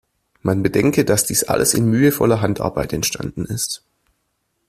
Man bedenke, dass dies alles in mühevoller Handarbeit entstanden ist.